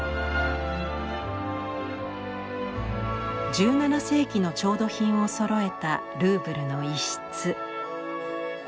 １７世紀の調度品をそろえたルーブルの一室。